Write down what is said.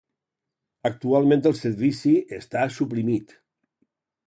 Actualment el servici està suprimit.